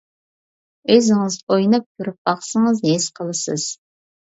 ئۆزىڭىز ئويناپ كۆرۈپ باقسىڭىز ھېس قىلىسىز.